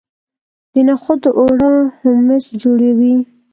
د نخودو اوړه هومس جوړوي.